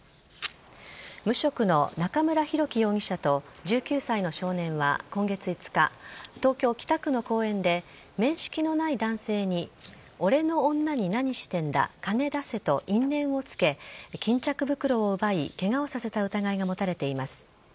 無職の中村博樹容疑者と１９歳の少年は今月５日東京・北区の公園で面識のない男性に俺の女に何してんだ金出せと因縁をつけ、巾着袋を奪いケガをさせた疑いが持たれています。